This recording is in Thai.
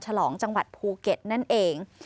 ฉลองจังหวัดภูเก็ตนั่นเอง